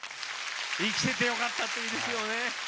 生きててよかったっていいですよね。